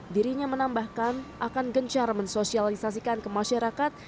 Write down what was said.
dirinya menambahkan akan gencar mensosialisasikan kemasyarakat